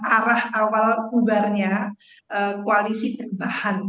arah awal bubarnya koalisi perubahan